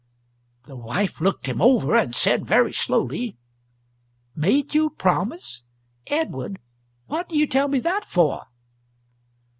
The wife looked him over, and said, very slowly: "Made you promise? Edward, what do you tell me that for?"